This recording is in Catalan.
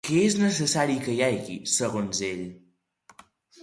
Què és necessari que hi hagi, segons ell?